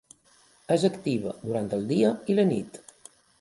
És activa durant el dia i la nit.